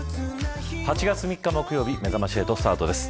８月３日木曜日めざまし８スタートです。